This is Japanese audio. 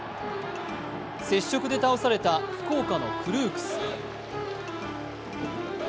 接触で倒された福岡のクルークス。